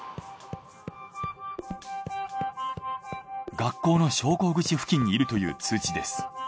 学校の昇降口付近にいるという通知です。